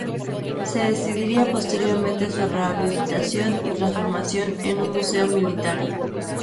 Se decidiría posteriormente su rehabilitación y transformación en un museo militar.